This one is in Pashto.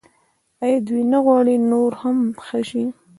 آیا دوی نه غواړي نور هم ښه شي؟